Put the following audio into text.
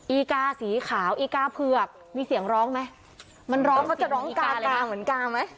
อีกาสีขาวอีกาเผือกมีเสียงร้องไหมมันร้องเขาจะร้องกากาเหมือนกาไหม